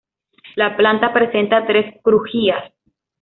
La planta presenta tres crujías.